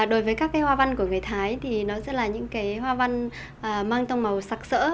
đối với các cái hòa văn của người thái thì nó sẽ là những cái hòa văn mang tông màu sạc sỡ